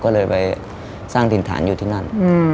ก็เลยไปสร้างดินฐานอยู่ที่นั่น